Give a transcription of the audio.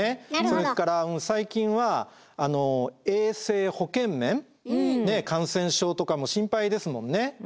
それから最近は衛生保健面感染症とかも心配ですもんね。